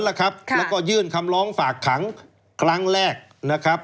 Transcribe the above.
แล้วก็ยื่นคำร้องฝากขังครั้งแรกนะครับ